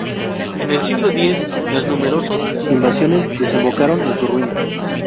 En el siglo X las numerosas invasiones desembocaron en su ruina.